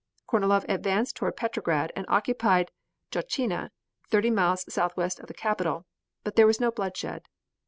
Kornilov advanced toward Petrograd, and occupied Jotchina, thirty miles southwest of the Capital, but there was no bloodshed.